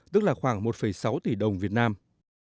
tức là khoảng một sáu tỷ đồng việt nam